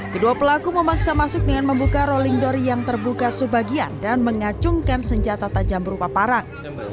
kedua pelaku memaksa masuk dengan membuka rolling door yang terbuka sebagian dan mengacungkan senjata tajam berupa parang